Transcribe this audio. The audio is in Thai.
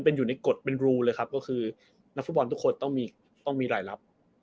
เป็นอยู่ในกฏเป็นครับก็คือนักศุกรบอนทุกคนต้องมีต้องมีรายรับ